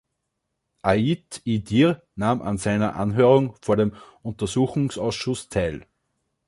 Ait Idir nahm an seiner Anhörung vor dem Untersuchungsausschuss teil.